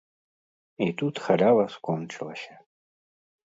І тут халява скончылася.